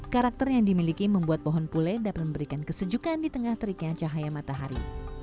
karakter yang dimiliki membuat pohon pule dapat memberikan kesejukan di tengah teriknya cahaya matahari